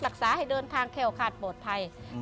รักษาให้เดินทางแค้วขาดปลอดภัย